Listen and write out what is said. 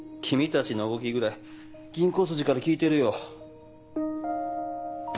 君たちの動きぐらい銀行筋から聞いてるよ。